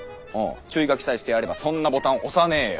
注意書きさえしてあればそんなボタン押さねーよ。